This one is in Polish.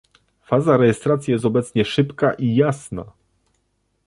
Faza rejestracji jest obecnie szybka i jasna